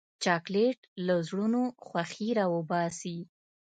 چاکلېټ له زړونو خوښي راوباسي.